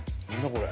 これ。